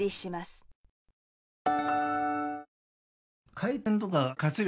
回転とか活力